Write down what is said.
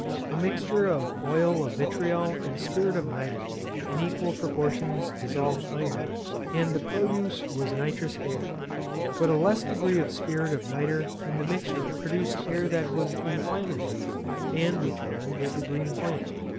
A mixture of oil of vitriol and spirit of nitre in equal proportions dissolved iron, and the produce was nitrous air; but a less degree of spirit of nitre in the mixture produced air that was inflammable, and which burned with a green flame.